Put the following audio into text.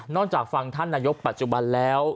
จากฟังท่านนายกปัจจุบันแล้ว